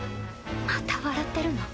また笑ってるの？